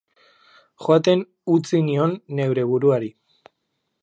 Joaten utzi nion neure buruari.